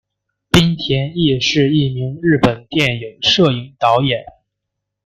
滨田毅是一名日本电影摄影导演。